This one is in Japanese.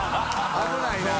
危ないな。